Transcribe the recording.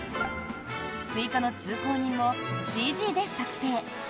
追加の通行人もＣＧで作成。